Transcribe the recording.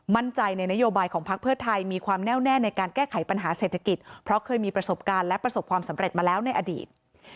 มั่นใจในนโยบายของพักเพื่อไทยมีความแน่วแน่ในการแก้ไขปัญหาเศรษฐกิจเพราะเคยมีประสบการณ์และประสบความสำเร็จมาแล้วในอดีต